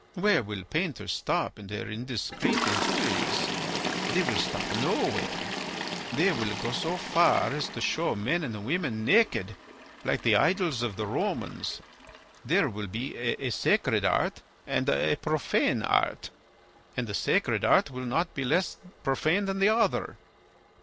Where will painters stop in their indiscreet inquiries? They will stop nowhere. They will go so far as to show men and women naked like the idols of the Romans. There will be a sacred art and a profane art, and the sacred art will not be less profane than the other."